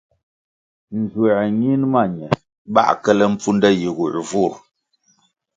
Nzuer ñin ma ñe bãh kele mpfunde yiguer vur.